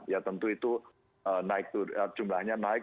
ya tentu itu jumlahnya naik